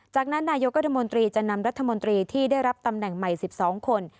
จากนั้นนายกรัฐมนตรีจะนำรัฐมนตรีที่ได้รับตำแหน่งใหม่๑๒คน